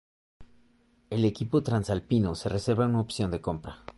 El equipo transalpino se reserva una opción de compra.